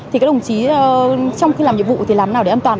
thì các đồng chí trong khi làm nhiệm vụ thì làm nào để an toàn